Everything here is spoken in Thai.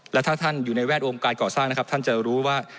และถ้าท่านอยู่ในแวดวงการก่อสร้างนะครับท่านจะรู้ว่า